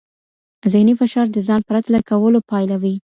ذهني فشار د ځان پرتله کولو پایله وي.